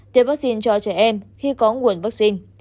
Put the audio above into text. tiêm vaccine cho trẻ em khi có nguồn vaccine